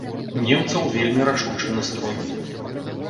У немцаў вельмі рашучы настрой.